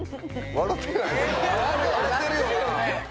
笑ってるよね